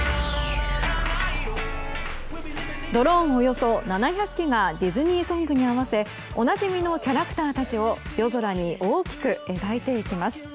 ドローンおよそ７００機がディズニーソングに合わせおなじみのキャラクターたちを夜空に大きく描いていきます。